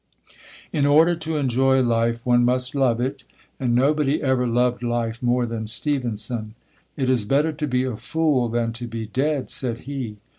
In order to enjoy life, one must love it; and nobody ever loved life more than Stevenson. "It is better to be a fool than to be dead," said he.